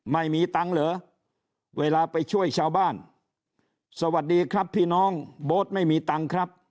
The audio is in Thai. ไม่มีตังค์เหรอเวลาไปช่วยชาวบ้านสวัสดีครับพี่น้องโบ๊ทไม่มีตังค์ครับ